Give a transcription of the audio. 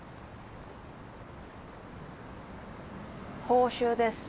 報酬です。